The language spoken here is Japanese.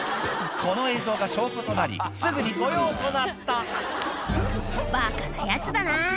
この映像が証拠となりすぐに御用となった「バカなヤツだな」